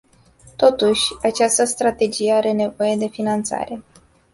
Totuși, această strategie are nevoie de finanțare.